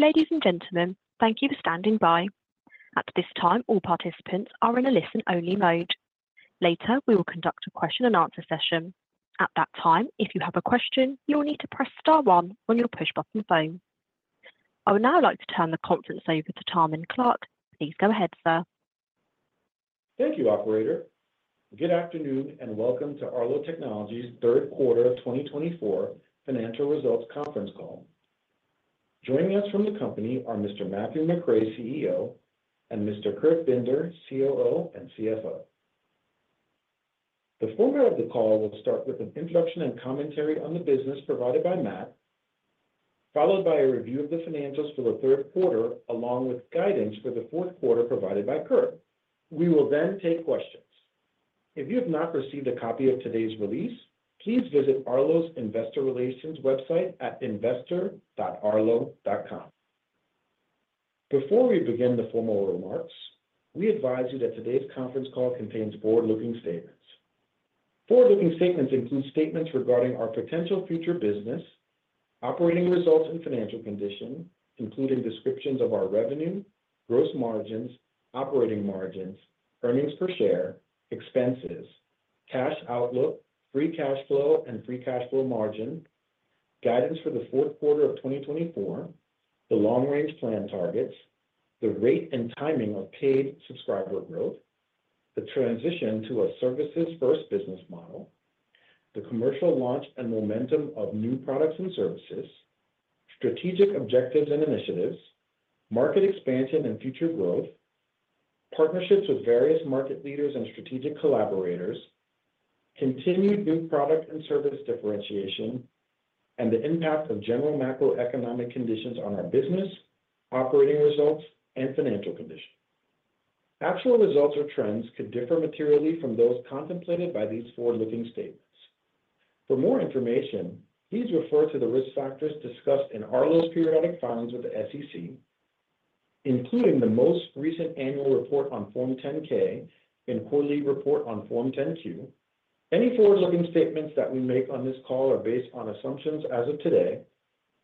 Ladies and gentlemen, thank you for standing by. At this time, all participants are in a listen-only mode. Later, we will conduct a question-and-answer session. At that time, if you have a question, you will need to press star one on your push-button phone. I would now like to turn the conference over to Tahmin Clarke. Please go ahead, sir. Thank you, Operator. Good afternoon and welcome to Arlo Technologies third quarter of 2024 financial results conference call. Joining us from the company are Mr. Matthew McRae, CEO, and Mr. Kurt Binder, COO and CFO. The format of the call will start with an introduction and commentary on the business provided by Matt, followed by a review of the financials for the third quarter, along with guidance for the fourth quarter provided by Kurt. We will then take questions. If you have not received a copy of today's release, please visit Arlo's Investor Relations website at investor.arlo.com. Before we begin the formal remarks, we advise you that today's conference call contains forward-looking statements. Forward-looking statements include statements regarding our potential future business, operating results, and financial condition, including descriptions of our revenue, gross margins, operating margins, earnings per share, expenses, cash outlook, free cash flow and free cash flow margin, guidance for the fourth quarter of 2024, the long-range plan targets, the rate and timing of paid subscriber growth, the transition to a services-first business model, the commercial launch and momentum of new products and services, strategic objectives and initiatives, market expansion and future growth, partnerships with various market leaders and strategic collaborators, continued new product and service differentiation, and the impact of general macroeconomic conditions on our business, operating results, and financial condition. Actual results or trends could differ materially from those contemplated by these forward-looking statements. For more information, please refer to the risk factors discussed in Arlo's periodic filings with the SEC, including the most recent annual report on Form 10-K and quarterly report on Form 10-Q. Any forward-looking statements that we make on this call are based on assumptions as of today,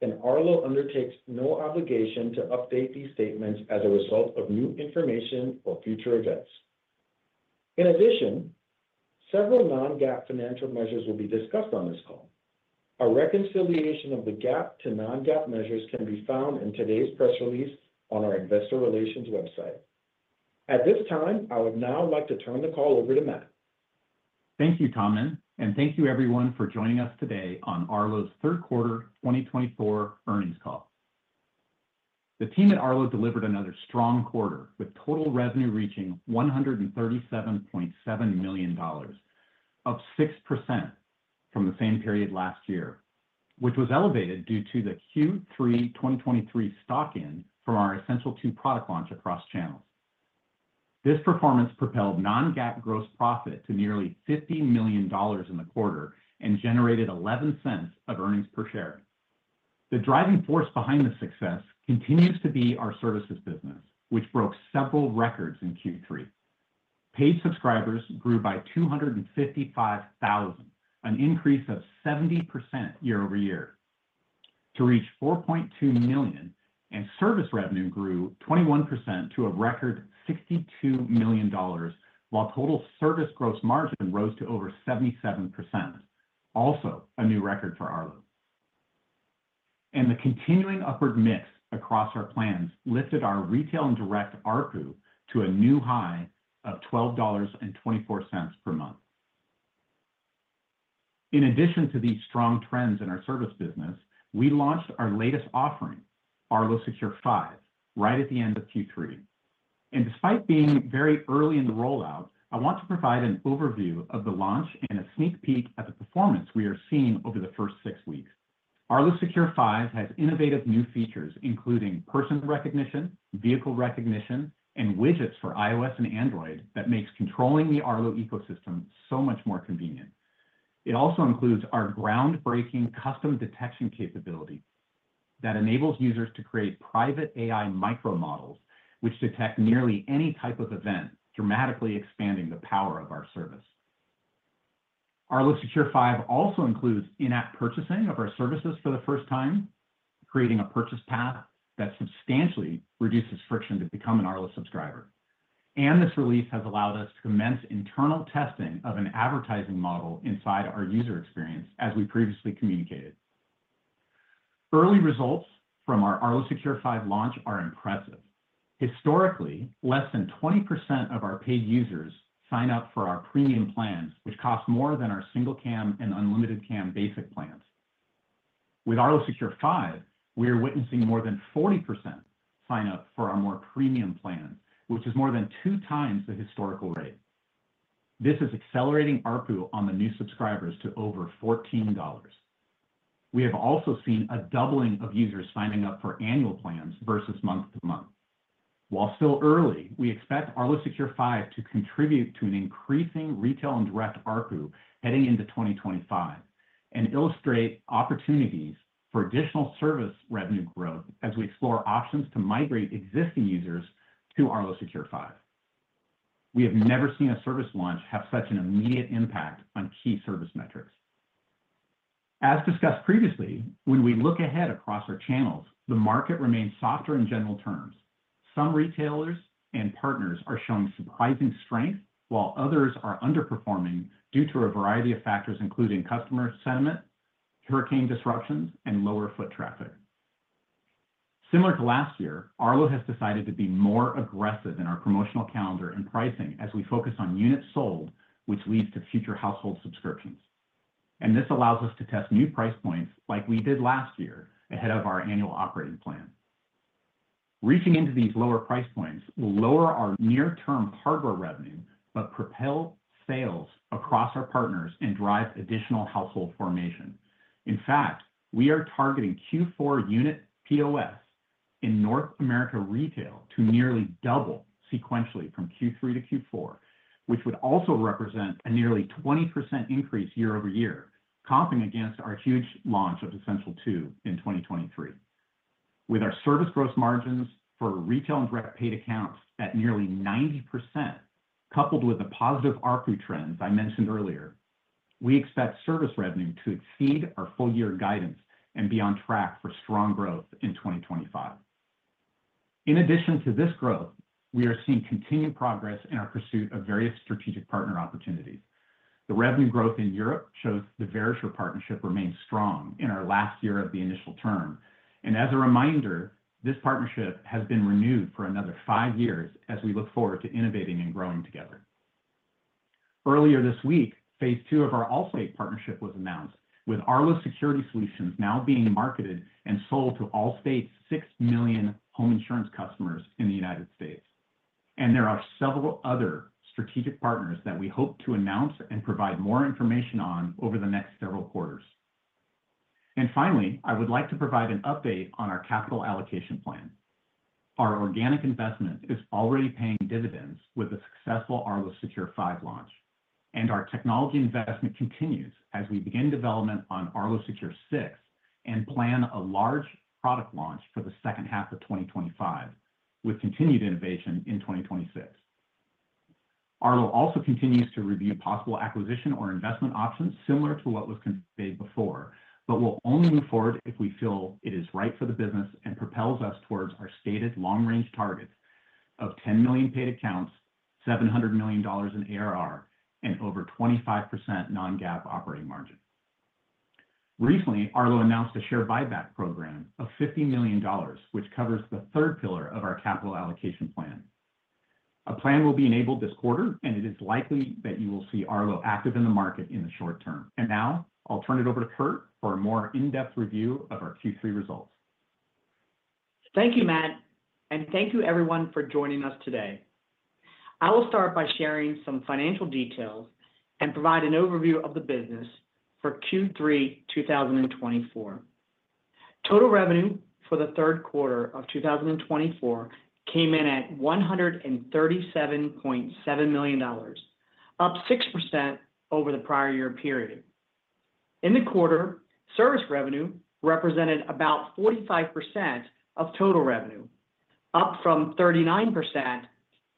and Arlo undertakes no obligation to update these statements as a result of new information or future events. In addition, several non-GAAP financial measures will be discussed on this call. A reconciliation of the GAAP to non-GAAP measures can be found in today's press release on our Investor Relations website. At this time, I would now like to turn the call over to Matt. Thank you, Tahmin, and thank you, everyone, for joining us today on Arlo's third quarter 2024 earnings call. The team at Arlo delivered another strong quarter with total revenue reaching $137.7 million, up 6% from the same period last year, which was elevated due to the Q3 2023 stocking from our Essential 2 product launch across channels. This performance propelled non-GAAP gross profit to nearly $50 million in the quarter and generated $0.11 of earnings per share. The driving force behind the success continues to be our services business, which broke several records in Q3. Paid subscribers grew by 255,000, an increase of 70% year over year, to reach 4.2 million, and service revenue grew 21% to a record $62 million, while total service gross margin rose to over 77%, also a new record for Arlo. The continuing upward mix across our plans lifted our retail and direct ARPU to a new high of $12.24 per month. In addition to these strong trends in our service business, we launched our latest offering, Arlo Secure 5, right at the end of Q3. Despite being very early in the rollout, I want to provide an overview of the launch and a sneak peek at the performance we are seeing over the first six weeks. Arlo Secure 5 has innovative new features, including person recognition, vehicle recognition, and widgets for iOS and Android that make controlling the Arlo ecosystem so much more convenient. It also includes our groundbreaking custom detection capability that enables users to create private AI micro models, which detect nearly any type of event, dramatically expanding the power of our service. Arlo Secure 5 also includes in-app purchasing of our services for the first time, creating a purchase path that substantially reduces friction to become an Arlo subscriber. This release has allowed us to commence internal testing of an advertising model inside our user experience, as we previously communicated. Early results from our Arlo Secure 5 launch are impressive. Historically, less than 20% of our paid users sign up for our premium plans, which cost more than our single Cam and unlimited Cam basic plans. With Arlo Secure 5, we are witnessing more than 40% sign up for our more premium plans, which is more than two times the historical rate. This is accelerating ARPU on the new subscribers to over $14. We have also seen a doubling of users signing up for annual plans versus month-to-month. While still early, we expect Arlo Secure 5 to contribute to an increasing retail and direct ARPU heading into 2025 and illustrate opportunities for additional service revenue growth as we explore options to migrate existing users to Arlo Secure 5. We have never seen a service launch have such an immediate impact on key service metrics. As discussed previously, when we look ahead across our channels, the market remains softer in general terms. Some retailers and partners are showing surprising strength, while others are underperforming due to a variety of factors, including customer sentiment, hurricane disruptions, and lower foot traffic. Similar to last year, Arlo has decided to be more aggressive in our promotional calendar and pricing as we focus on units sold, which leads to future household subscriptions, and this allows us to test new price points like we did last year ahead of our annual operating plan. Reaching into these lower price points will lower our near-term hardware revenue but propel sales across our partners and drive additional household formation. In fact, we are targeting Q4 unit POS in North America retail to nearly double sequentially from Q3 to Q4, which would also represent a nearly 20% increase year over year, comping against our huge launch of Essential 2 in 2023. With our service gross margins for retail and direct paid accounts at nearly 90%, coupled with the positive ARPU trends I mentioned earlier, we expect service revenue to exceed our full-year guidance and be on track for strong growth in 2025. In addition to this growth, we are seeing continued progress in our pursuit of various strategic partner opportunities. The revenue growth in Europe shows the Verisure partnership remains strong in our last year of the initial term. As a reminder, this partnership has been renewed for another five years as we look forward to innovating and growing together. Earlier this week, phase two of our Allstate partnership was announced, with Arlo Security Solutions now being marketed and sold to Allstate's six million home insurance customers in the United States. There are several other strategic partners that we hope to announce and provide more information on over the next several quarters. Finally, I would like to provide an update on our capital allocation plan. Our organic investment is already paying dividends with the successful Arlo Secure 5 launch. Our technology investment continues as we begin development on Arlo Secure 6 and plan a large product launch for the second half of 2025, with continued innovation in 2026. Arlo also continues to review possible acquisition or investment options similar to what was conveyed before, but will only move forward if we feel it is right for the business and propels us towards our stated long-range targets of 10 million paid accounts, $700 million in ARR, and over 25% non-GAAP operating margin. Recently, Arlo announced a share buyback program of $50 million, which covers the third pillar of our capital allocation plan. A plan will be enabled this quarter, and it is likely that you will see Arlo active in the market in the short term. Now I'll turn it over to Kurt for a more in-depth review of our Q3 results. Thank you, Matt, and thank you, everyone, for joining us today. I will start by sharing some financial details and provide an overview of the business for Q3 2024. Total revenue for the third quarter of 2024 came in at $137.7 million, up 6% over the prior year period. In the quarter, service revenue represented about 45% of total revenue, up from 39%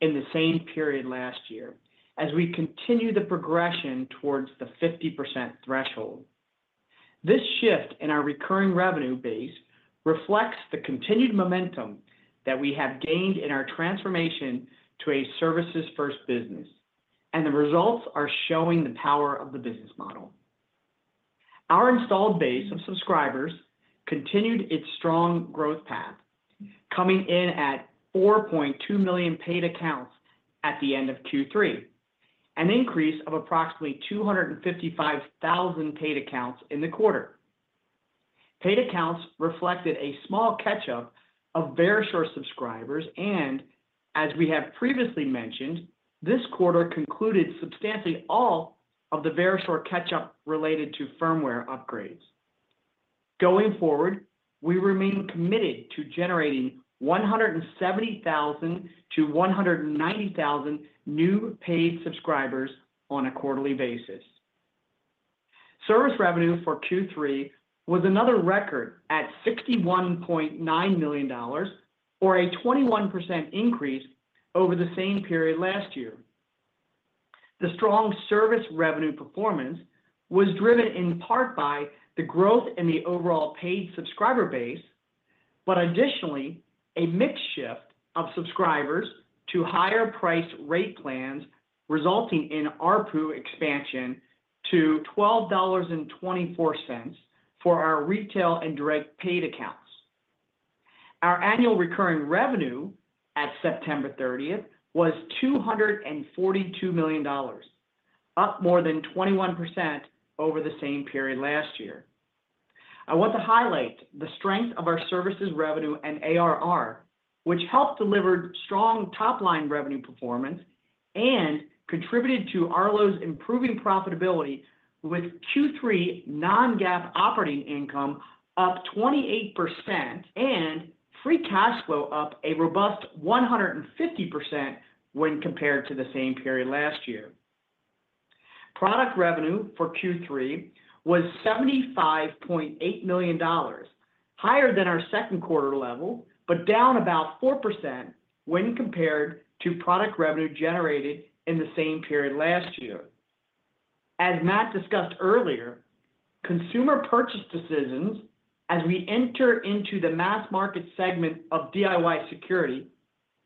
in the same period last year, as we continue the progression towards the 50% threshold. This shift in our recurring revenue base reflects the continued momentum that we have gained in our transformation to a services-first business, and the results are showing the power of the business model. Our installed base of subscribers continued its strong growth path, coming in at 4.2 million paid accounts at the end of Q3, an increase of approximately 255,000 paid accounts in the quarter. Paid accounts reflected a small catch-up of Verisure subscribers, and as we have previously mentioned, this quarter concluded substantially all of the Verisure catch-up related to firmware upgrades. Going forward, we remain committed to generating 170,000-190,000 new paid subscribers on a quarterly basis. Service revenue for Q3 was another record at $61.9 million, or a 21% increase over the same period last year. The strong service revenue performance was driven in part by the growth in the overall paid subscriber base, but additionally, a mixed shift of subscribers to higher-priced rate plans resulting in ARPU expansion to $12.24 for our retail and direct paid accounts. Our annual recurring revenue at September 30th was $242 million, up more than 21% over the same period last year. I want to highlight the strength of our services revenue and ARR, which helped deliver strong top-line revenue performance and contributed to Arlo's improving profitability with Q3 non-GAAP operating income up 28% and free cash flow up a robust 150% when compared to the same period last year. Product revenue for Q3 was $75.8 million, higher than our second quarter level, but down about 4% when compared to product revenue generated in the same period last year. As Matt discussed earlier, consumer purchase decisions as we enter into the mass market segment of DIY security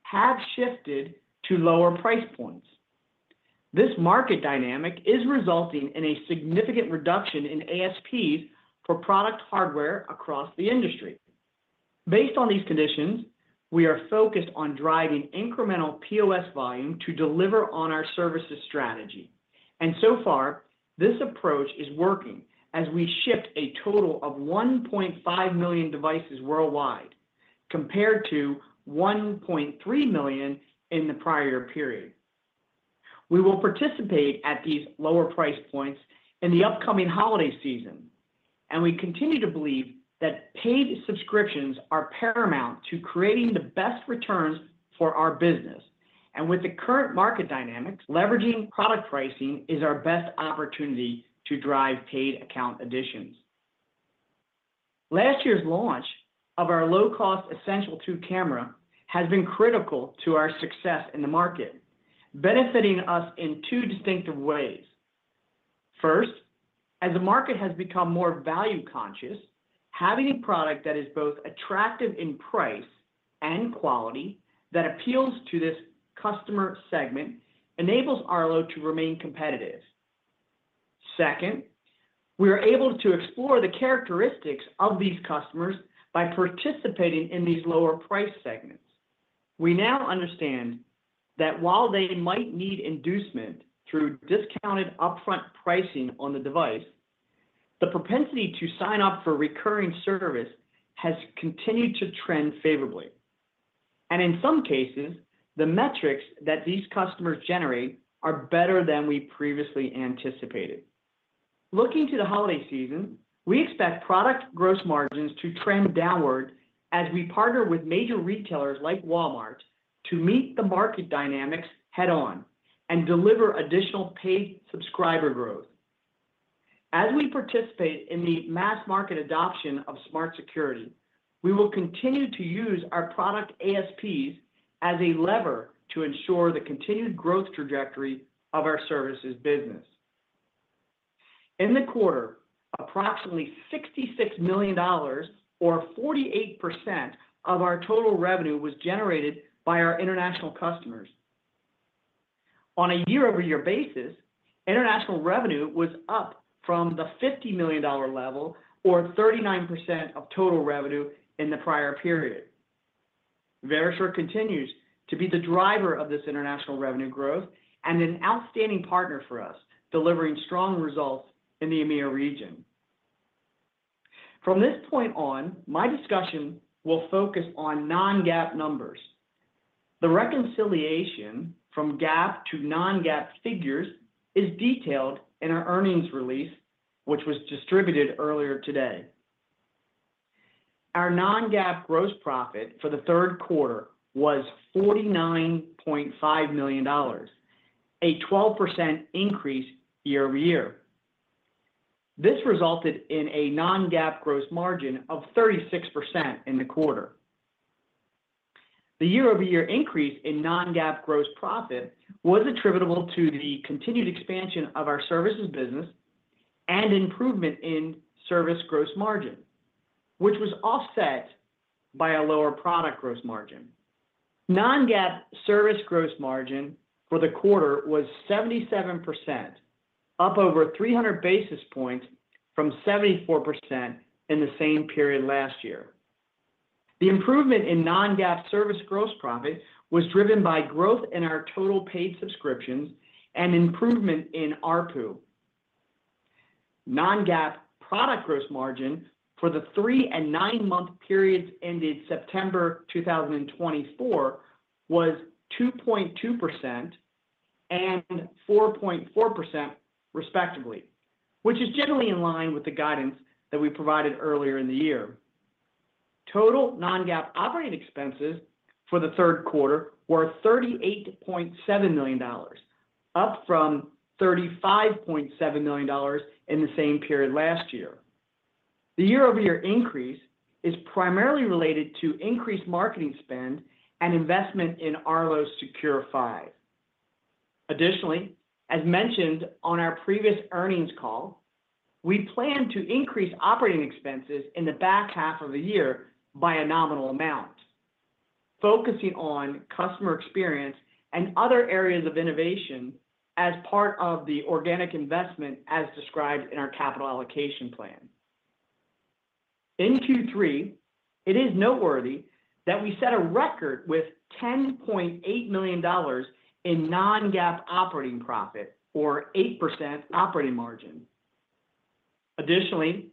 have shifted to lower price points. This market dynamic is resulting in a significant reduction in ASPs for product hardware across the industry. Based on these conditions, we are focused on driving incremental POS volume to deliver on our services strategy. So far, this approach is working as we shift a total of 1.5 million devices worldwide compared to 1.3 million in the prior period. We will participate at these lower price points in the upcoming holiday season, and we continue to believe that paid subscriptions are paramount to creating the best returns for our business. With the current market dynamics, leveraging product pricing is our best opportunity to drive paid account additions. Last year's launch of our low-cost Essential 2 camera has been critical to our success in the market, benefiting us in two distinctive ways. First, as the market has become more value-conscious, having a product that is both attractive in price and quality that appeals to this customer segment enables Arlo to remain competitive. Second, we are able to explore the characteristics of these customers by participating in these lower price segments. We now understand that while they might need inducement through discounted upfront pricing on the device, the propensity to sign up for recurring service has continued to trend favorably, and in some cases, the metrics that these customers generate are better than we previously anticipated. Looking to the holiday season, we expect product gross margins to trend downward as we partner with major retailers like Walmart to meet the market dynamics head-on and deliver additional paid subscriber growth. As we participate in the mass market adoption of smart security, we will continue to use our product ASPs as a lever to ensure the continued growth trajectory of our services business. In the quarter, approximately $66 million, or 48% of our total revenue, was generated by our international customers. On a year-over-year basis, international revenue was up from the $50 million level, or 39% of total revenue in the prior period. Verisure continues to be the driver of this international revenue growth and an outstanding partner for us, delivering strong results in the EMEA region. From this point on, my discussion will focus on non-GAAP numbers. The reconciliation from GAAP to non-GAAP figures is detailed in our earnings release, which was distributed earlier today. Our non-GAAP gross profit for the third quarter was $49.5 million, a 12% increase year-over-year. This resulted in a non-GAAP gross margin of 36% in the quarter. The year-over-year increase in non-GAAP gross profit was attributable to the continued expansion of our services business and improvement in service gross margin, which was offset by a lower product gross margin. Non-GAAP service gross margin for the quarter was 77%, up over 300 basis points from 74% in the same period last year. The improvement in non-GAAP service gross profit was driven by growth in our total paid subscriptions and improvement in ARPU. Non-GAAP product gross margin for the three and nine-month periods ended September 2024 was 2.2% and 4.4%, respectively, which is generally in line with the guidance that we provided earlier in the year. Total non-GAAP operating expenses for the third quarter were $38.7 million, up from $35.7 million in the same period last year. The year-over-year increase is primarily related to increased marketing spend and investment in Arlo Secure 5. Additionally, as mentioned on our previous earnings call, we plan to increase operating expenses in the back half of the year by a nominal amount, focusing on customer experience and other areas of innovation as part of the organic investment as described in our capital allocation plan. In Q3, it is noteworthy that we set a record with $10.8 million in non-GAAP operating profit, or 8% operating margin. Additionally,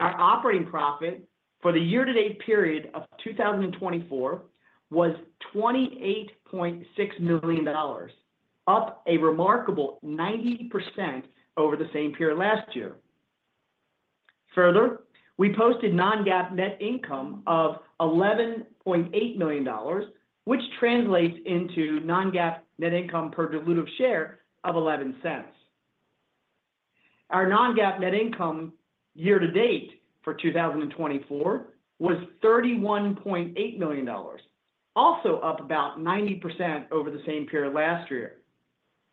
our operating profit for the year-to-date period of 2024 was $28.6 million, up a remarkable 90% over the same period last year. Further, we posted non-GAAP net income of $11.8 million, which translates into non-GAAP net income per dilutive share of $0.11. Our non-GAAP net income year-to-date for 2024 was $31.8 million, also up about 90% over the same period last year,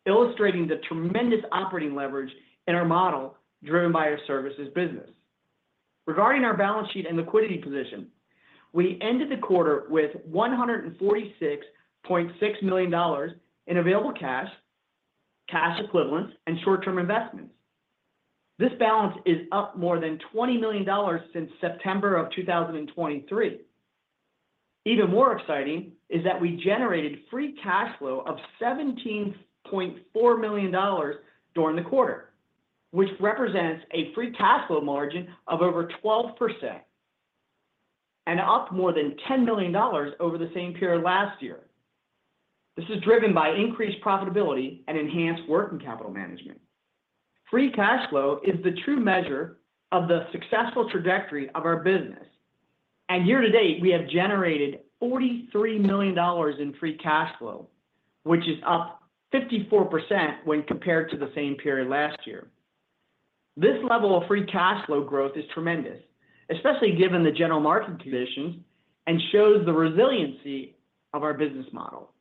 illustrating the tremendous operating leverage in our model driven by our services business. Regarding our balance sheet and liquidity position, we ended the quarter with $146.6 million in available cash, cash equivalents, and short-term investments. This balance is up more than $20 million since September of 2023. Even more exciting is that we generated free cash flow of $17.4 million during the quarter, which represents a free cash flow margin of over 12% and up more than $10 million over the same period last year. This is driven by increased profitability and enhanced working capital management. Free cash flow is the true measure of the successful trajectory of our business. And year-to-date, we have generated $43 million in free cash flow, which is up 54% when compared to the same period last year. This level of free cash flow growth is tremendous, especially given the general market conditions and shows the resiliency of our business model.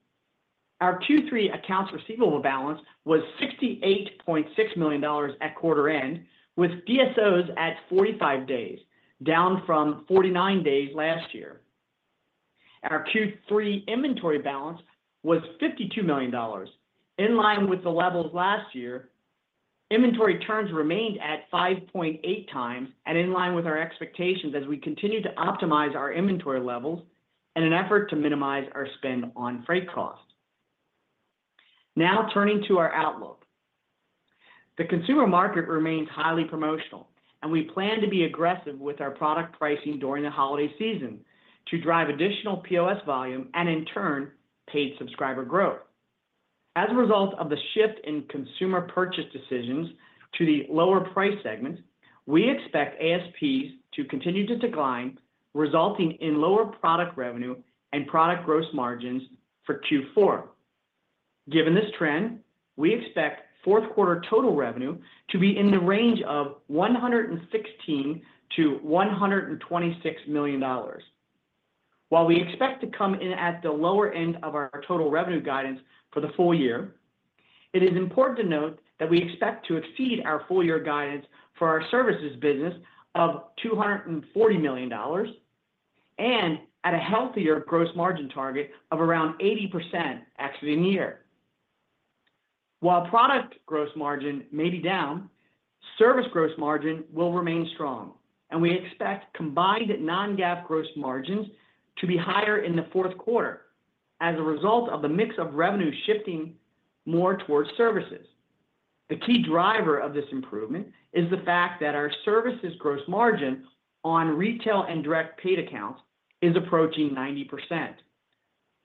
Our Q3 accounts receivable balance was $68.6 million at quarter end, with DSOs at 45 days, down from 49 days last year. Our Q3 inventory balance was $52 million, in line with the levels last year. Inventory turns remained at 5.8 times, and in line with our expectations as we continue to optimize our inventory levels in an effort to minimize our spend on freight costs. Now turning to our outlook, the consumer market remains highly promotional, and we plan to be aggressive with our product pricing during the holiday season to drive additional POS volume and, in turn, paid subscriber growth. As a result of the shift in consumer purchase decisions to the lower price segment, we expect ASPs to continue to decline, resulting in lower product revenue and product gross margins for Q4. Given this trend, we expect fourth quarter total revenue to be in the range of $116 million-$126 million. While we expect to come in at the lower end of our total revenue guidance for the full year, it is important to note that we expect to exceed our full-year guidance for our services business of $240 million and at a healthier gross margin target of around 80% exiting year. While product gross margin may be down, service gross margin will remain strong, and we expect combined non-GAAP gross margins to be higher in the fourth quarter as a result of the mix of revenue shifting more towards services. The key driver of this improvement is the fact that our services gross margin on retail and direct paid accounts is approaching 90%.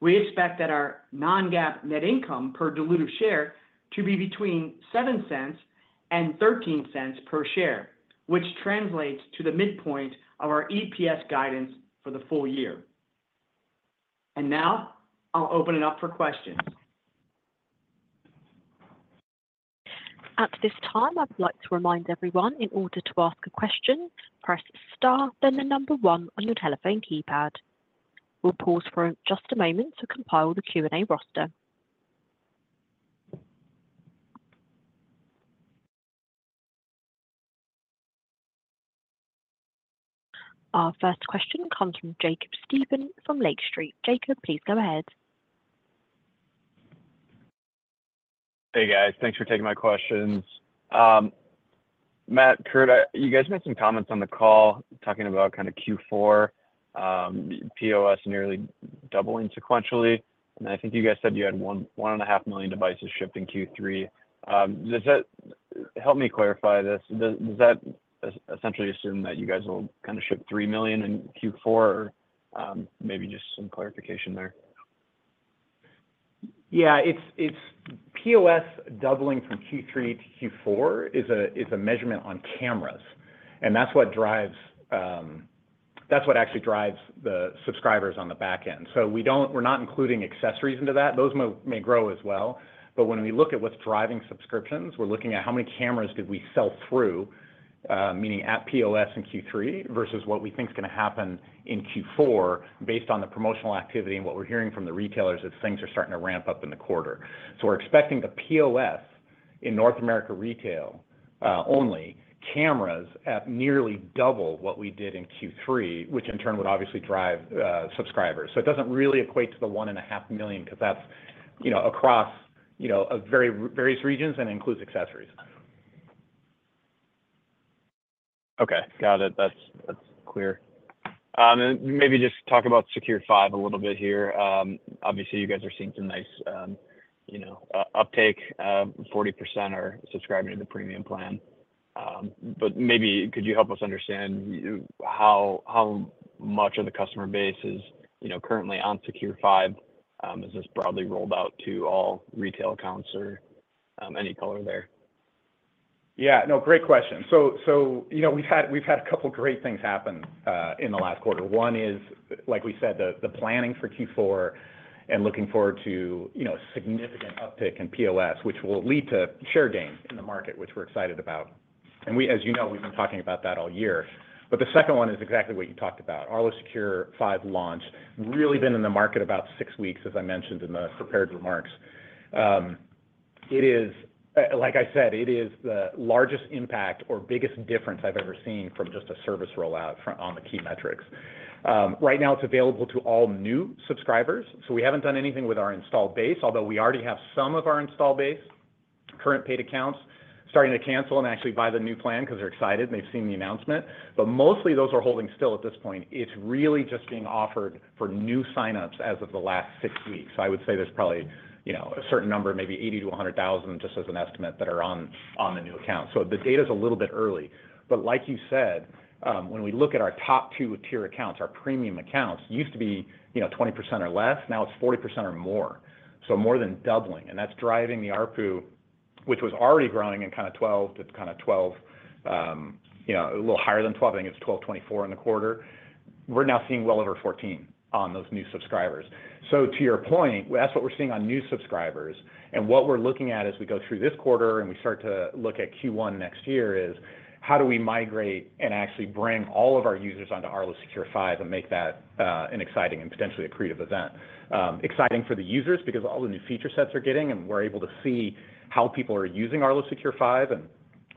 We expect that our non-GAAP net income per dilutive share to be between $0.07-$0.13 per share, which translates to the midpoint of our EPS guidance for the full year. And now I'll open it up for questions. At this time, I'd like to remind everyone in order to ask a question, press Star, then the number one on your telephone keypad. We'll pause for just a moment to compile the Q&A roster. Our first question comes from Jacob Stephan from Lake Street. Jacob, please go ahead. Hey, guys. Thanks for taking my questions. Matt, Kurt, you guys made some comments on the call talking about kind of Q4 POS nearly doubling sequentially. And I think you guys said you had 1.5 million devices shipped in Q3. Help me clarify this. Does that essentially assume that you guys will kind of ship 3 million in Q4? Maybe just some clarification there. Yeah. POS doubling from Q3 to Q4 is a measurement on cameras. And that's what actually drives the subscribers on the back end. So we're not including accessories into that. Those may grow as well. But when we look at what's driving subscriptions, we're looking at how many cameras did we sell through, meaning at POS in Q3 versus what we think is going to happen in Q4 based on the promotional activity and what we're hearing from the retailers as things are starting to ramp up in the quarter. So we're expecting the POS in North America retail only cameras at nearly double what we did in Q3, which in turn would obviously drive subscribers. So it doesn't really equate to 1.5 million because that's across various regions and includes accessories. Okay. Got it. That's clear. Maybe just talk about Secure 5 a little bit here. Obviously, you guys are seeing some nice uptake. 40% are subscribing to the premium plan. But maybe could you help us understand how much of the customer base is currently on Secure 5? Is this broadly rolled out to all retail accounts or any color there? Yeah. No, great question. So we've had a couple of great things happen in the last quarter. One is, like we said, the planning for Q4 and looking forward to a significant uptick in POS, which will lead to share gain in the market, which we're excited about. And as you know, we've been talking about that all year. But the second one is exactly what you talked about. Arlo Secure 5 launch has really been in the market about six weeks, as I mentioned in the prepared remarks. Like I said, it is the largest impact or biggest difference I've ever seen from just a service rollout on the key metrics. Right now, it's available to all new subscribers. So we haven't done anything with our installed base, although we already have some of our installed base. Current paid accounts are starting to cancel and actually buy the new plan because they're excited and they've seen the announcement. But mostly, those are holding still at this point. It's really just being offered for new sign-ups as of the last six weeks. I would say there's probably a certain number, maybe 80,000-100,000, just as an estimate that are on the new accounts. So the data is a little bit early. But like you said, when we look at our top two-tier accounts, our premium accounts used to be 20% or less. Now it's 40% or more. So more than doubling. That's driving the ARPU, which was already growing in kind of $12 to kind of $12, a little higher than $12. I think it's $12.24 in the quarter. We're now seeing well over $14 on those new subscribers. So to your point, that's what we're seeing on new subscribers. And what we're looking at as we go through this quarter and we start to look at Q1 next year is how do we migrate and actually bring all of our users onto Arlo Secure 5 and make that an exciting and potentially a creative event. Exciting for the users because all the new feature sets are getting and we're able to see how people are using Arlo Secure 5 and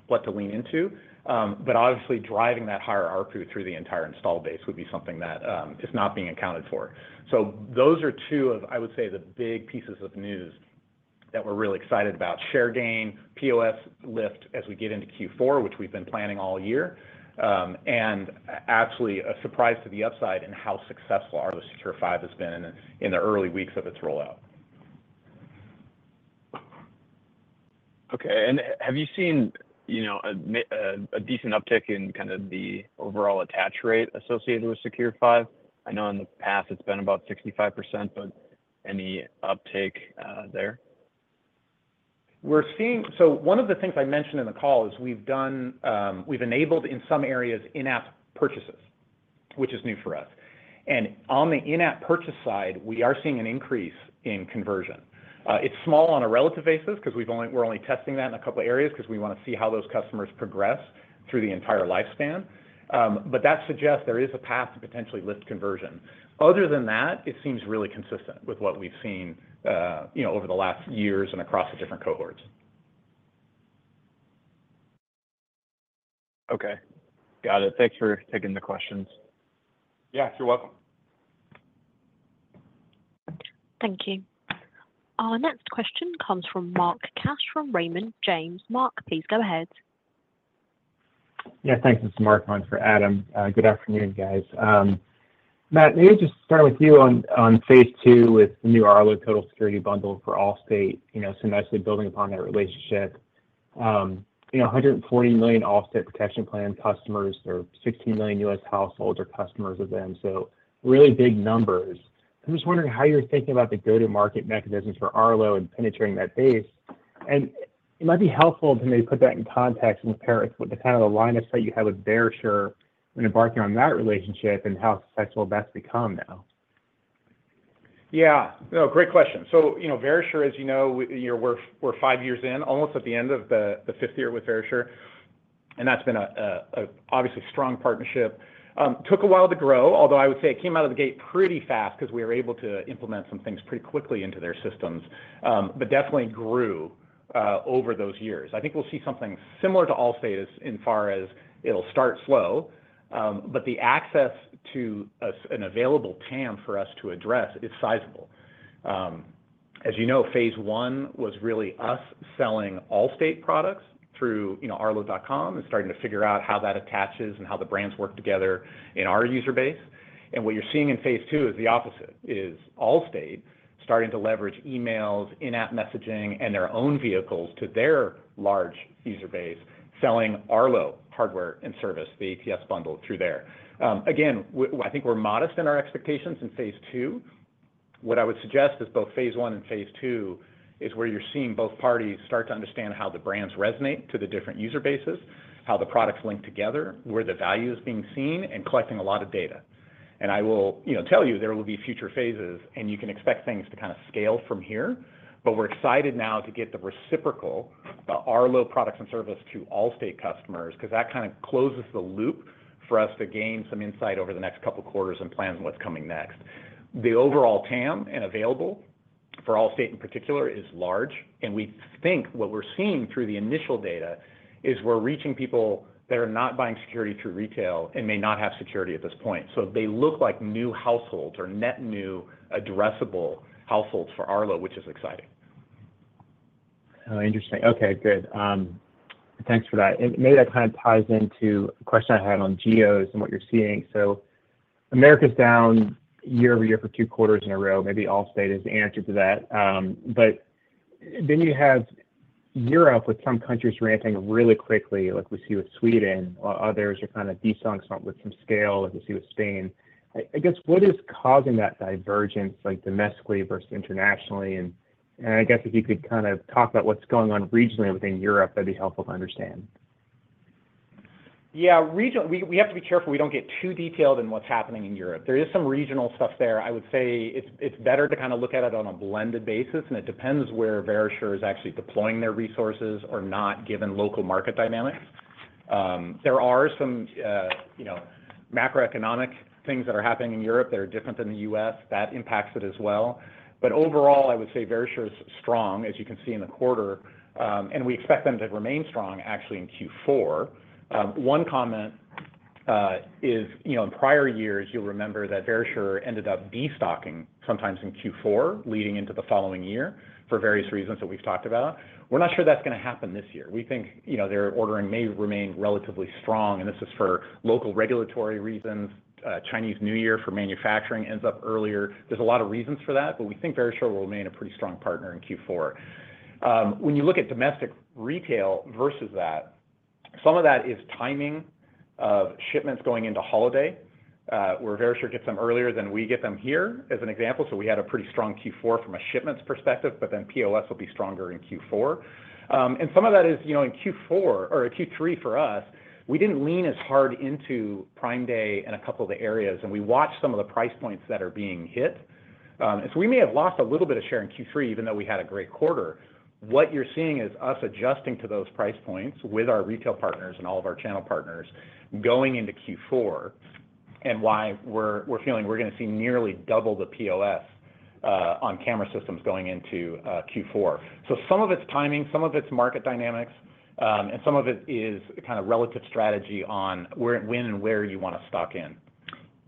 what to lean into. But obviously, driving that higher ARPU through the entire install base would be something that is not being accounted for. So those are two of, I would say, the big pieces of news that we're really excited about: share gain, POS lift as we get into Q4, which we've been planning all year, and actually a surprise to the upside in how successful Arlo Secure 5 has been in the early weeks of its rollout. Okay. And have you seen a decent uptick in kind of the overall attach rate associated with Secure 5? I know in the past it's been about 65%, but any uptake there? So one of the things I mentioned in the call is we've enabled in some areas in-app purchases, which is new for us. And on the in-app purchase side, we are seeing an increase in conversion. It's small on a relative basis because we're only testing that in a couple of areas because we want to see how those customers progress through the entire lifespan. But that suggests there is a path to potentially lift conversion. Other than that, it seems really consistent with what we've seen over the last years and across the different cohorts. Okay. Got it. Thanks for taking the questions. Yeah. You're welcome. Thank you. Our next question comes from Mark Cash from Raymond James. Mark, please go ahead. Yeah. Thanks. This is Mark. I'm for Adam. Good afternoon, guys. Matt, maybe just start with you on phase two with the new Arlo Total Security Bundle for Allstate, so nicely building upon that relationship. 140 million Allstate protection plan customers or 16 million U.S. households are customers of them. So really big numbers. I'm just wondering how you're thinking about the go-to-market mechanisms for Arlo and penetrating that base, and it might be helpful to maybe put that in context and compare it with the kind of alignment that you have with Verisure when embarking on that relationship and how successful that's become now. Yeah. No, great question, so Verisure, as you know, we're five years in, almost at the end of the fifth year with Verisure, and that's been an obviously strong partnership. Took a while to grow, although I would say it came out of the gate pretty fast because we were able to implement some things pretty quickly into their systems, but definitely grew over those years. I think we'll see something similar to Allstate as far as it'll start slow, but the access to an available TAM for us to address is sizable. As you know, phase one was really us selling Allstate products through Arlo.com and starting to figure out how that attaches and how the brands work together in our user base, and what you're seeing in phase two is the opposite, Allstate starting to leverage emails, in-app messaging, and their own vehicles to their large user base selling Arlo hardware and service, the ATS bundle through there. Again, I think we're modest in our expectations in phase two. What I would suggest is both phase one and phase two is where you're seeing both parties start to understand how the brands resonate to the different user bases, how the products link together, where the value is being seen, and collecting a lot of data, and I will tell you there will be future phases, and you can expect things to kind of scale from here. But we're excited now to get the reciprocal, the Arlo products and service to Allstate customers because that kind of closes the loop for us to gain some insight over the next couple of quarters and plans and what's coming next. The overall TAM and available for Allstate in particular is large. And we think what we're seeing through the initial data is we're reaching people that are not buying security through retail and may not have security at this point. So they look like new households or net new addressable households for Arlo, which is exciting. Interesting. Okay. Good. Thanks for that. And maybe that kind of ties into a question I had on geos and what you're seeing. So Americas down year over year for two quarters in a row. Maybe Allstate is the answer to that. But then you have Europe with some countries ramping really quickly, like we see with Sweden, while others are kind of de-sunk with some scale, like we see with Spain. I guess what is causing that divergence domestically versus internationally? and I guess if you could kind of talk about what's going on regionally within Europe, that'd be helpful to understand. Yeah. We have to be careful we don't get too detailed in what's happening in Europe. There is some regional stuff there. I would say it's better to kind of look at it on a blended basis, and it depends where Verisure is actually deploying their resources or not given local market dynamics. There are some macroeconomic things that are happening in Europe that are different than the U.S. That impacts it as well. But overall, I would say Verisure is strong, as you can see in the quarter, and we expect them to remain strong actually in Q4. One comment is in prior years, you'll remember that Verisure ended up destocking sometimes in Q4 leading into the following year for various reasons that we've talked about. We're not sure that's going to happen this year. We think their ordering may remain relatively strong, and this is for local regulatory reasons. Chinese New Year for manufacturing ends up earlier. There's a lot of reasons for that, but we think Verisure will remain a pretty strong partner in Q4. When you look at domestic retail versus that, some of that is timing of shipments going into holiday, where Verisure gets them earlier than we get them here, as an example. So we had a pretty strong Q4 from a shipments perspective, but then POS will be stronger in Q4. And some of that is in Q4 or Q3 for us, we didn't lean as hard into Prime Day and a couple of the areas, and we watched some of the price points that are being hit. And so we may have lost a little bit of share in Q3, even though we had a great quarter. What you're seeing is us adjusting to those price points with our retail partners and all of our channel partners going into Q4 and why we're feeling we're going to see nearly double the POS on camera systems going into Q4. So some of it's timing, some of it's market dynamics, and some of it is kind of relative strategy on when and where you want to stock in.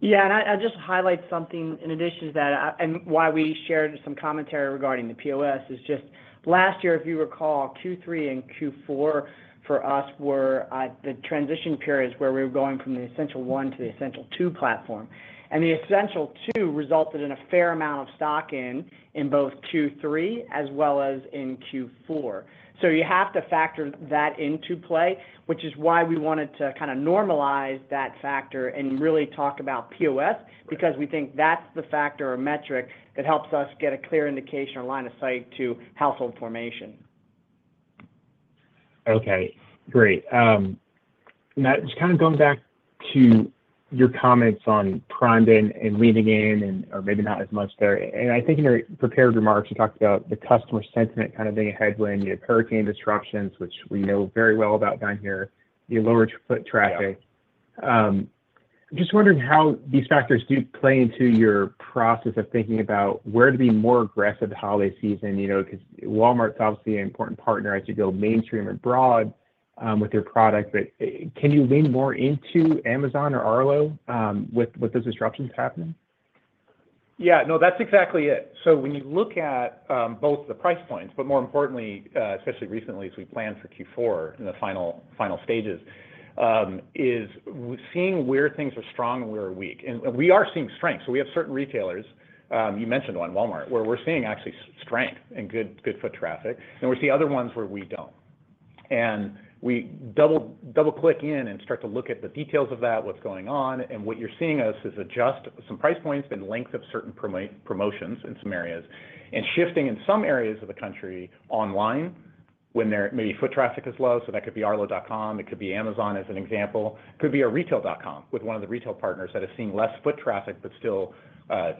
Yeah. I'll just highlight something in addition to that and why we shared some commentary regarding the POS is just last year, if you recall. Q3 and Q4 for us were the transition periods where we were going from the Essential 1 to the Essential 2 platform. The Essential 2 resulted in a fair amount of stock in both Q3 as well as in Q4. You have to factor that into play, which is why we wanted to kind of normalize that factor and really talk about POS because we think that's the factor or metric that helps us get a clear indication or line of sight to household formation. Okay. Great. Matt, just kind of going back to your comments on Prime Day and leaning in, or maybe not as much there. And I think in your prepared remarks, you talked about the customer sentiment kind of being a headwind. You have hurricane disruptions, which we know very well about down here. You have lower foot traffic. I'm just wondering how these factors do play into your process of thinking about where to be more aggressive the holiday season because Walmart's obviously an important partner as you go mainstream and broad with your product. But can you lean more into Amazon or Arlo with those disruptions happening? Yeah. No, that's exactly it. So when you look at both the price points, but more importantly, especially recently as we plan for Q4 in the final stages, is seeing where things are strong and where are weak. And we are seeing strength. So we have certain retailers, you mentioned one, Walmart, where we're seeing actually strength and good foot traffic. We see other ones where we don't. We double-click in and start to look at the details of that, what's going on. What you're seeing us is adjust some price points and length of certain promotions in some areas and shifting in some areas of the country online when maybe foot traffic is low. That could be Arlo.com. It could be Amazon as an example. It could be a retail.com with one of the retail partners that is seeing less foot traffic but still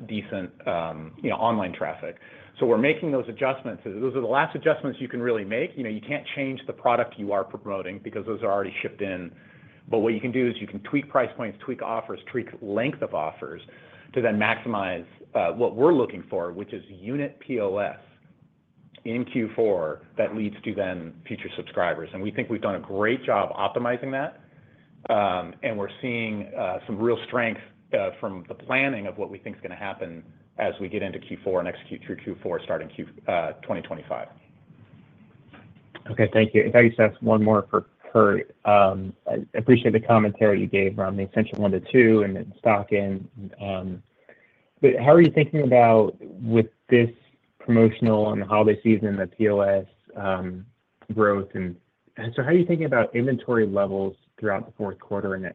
decent online traffic. We're making those adjustments. Those are the last adjustments you can really make. You can't change the product you are promoting because those are already shipped in. But what you can do is you can tweak price points, tweak offers, tweak length of offers to then maximize what we're looking for, which is unit POS in Q4 that leads to then future subscribers. And we think we've done a great job optimizing that. And we're seeing some real strength from the planning of what we think is going to happen as we get into Q4 and execute through Q4 starting 2025. Okay. Thank you. And I just have one more for Kurt. I appreciate the commentary you gave around the Essential 1 to 2 and then stocking. But how are you thinking about with this promotional and holiday season and the POS growth? And so how are you thinking about inventory levels throughout the fourth quarter and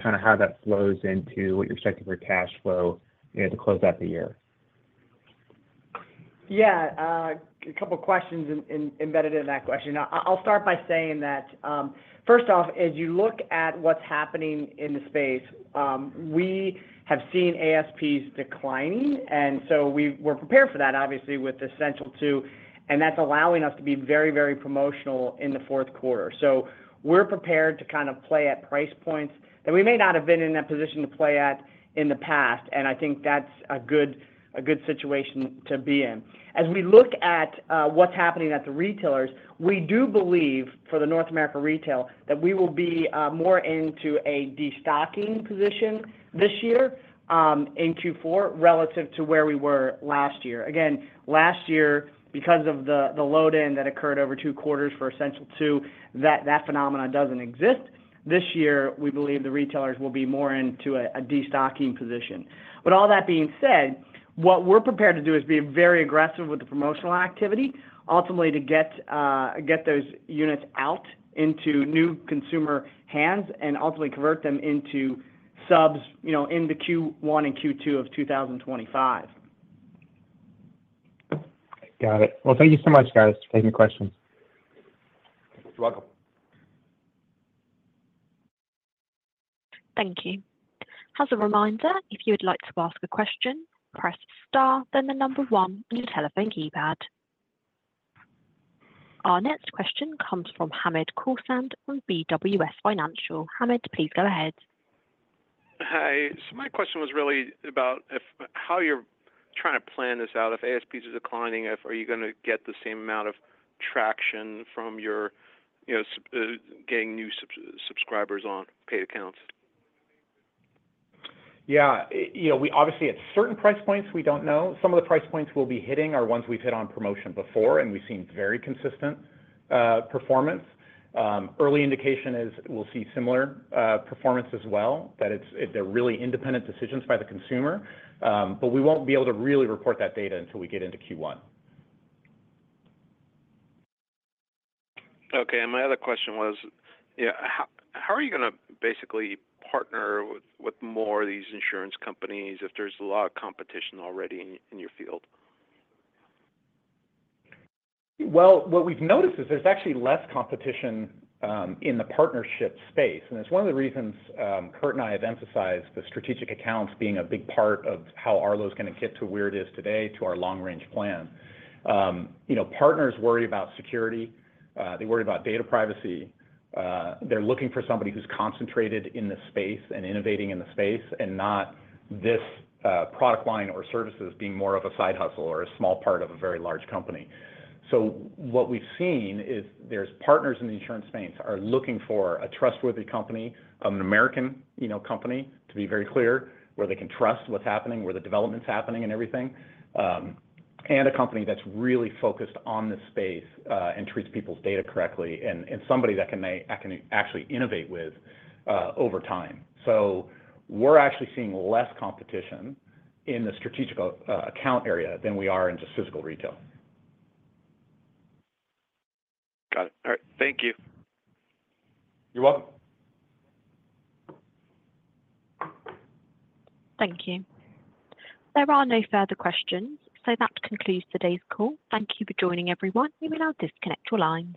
kind of how that flows into what you're expecting for cash flow to close out the year? Yeah. A couple of questions embedded in that question. I'll start by saying that first off, as you look at what's happening in the space, we have seen ASPs declining. And so we were prepared for that, obviously, with Essential 2, and that's allowing us to be very, very promotional in the fourth quarter. So we're prepared to kind of play at price points that we may not have been in that position to play at in the past. And I think that's a good situation to be in. As we look at what's happening at the retailers, we do believe for the North America retail that we will be more into a destocking position this year in Q4 relative to where we were last year. Again, last year, because of the load-in that occurred over two quarters for Essential 2, that phenomenon doesn't exist. This year, we believe the retailers will be more into a destocking position. But all that being said, what we're prepared to do is be very aggressive with the promotional activity, ultimately to get those units out into new consumer hands and ultimately convert them into subs in the Q1 and Q2 of 2025. Got it. Well, thank you so much, guys, for taking the questions. You're welcome. Thank you. As a reminder, if you would like to ask a question, press star, then the number one, and your telephone keypad. Our next question comes from Hamed Khorsand from BWS Financial. Hamid, please go ahead. Hi. So my question was really about how you're trying to plan this out. If ASPs are declining, are you going to get the same amount of traction from getting new subscribers on paid accounts? Yeah. Obviously, at certain price points, we don't know. Some of the price points we'll be hitting are ones we've hit on promotion before, and we've seen very consistent performance. Early indication is we'll see similar performance as well, that they're really independent decisions by the consumer. But we won't be able to really report that data until we get into Q1. Okay. And my other question was, how are you going to basically partner with more of these insurance companies if there's a lot of competition already in your field? Well, what we've noticed is there's actually less competition in the partnership space. And it's one of the reasons Kurt and I have emphasized the strategic accounts being a big part of how Arlo is going to get to where it is today to our long-range plan. Partners worry about security. They worry about data privacy. They're looking for somebody who's concentrated in the space and innovating in the space and not this product line or services being more of a side hustle or a small part of a very large company. So what we've seen is there's partners in the insurance space are looking for a trustworthy company, an American company to be very clear, where they can trust what's happening, where the development's happening and everything, and a company that's really focused on the space and treats people's data correctly and somebody that can actually innovate with over time. So we're actually seeing less competition in the strategic account area than we are in just physical retail. Got it. All right. Thank you. You're welcome. Thank you. There are no further questions. So that concludes today's call. Thank you for joining, everyone. You may now disconnect your lines.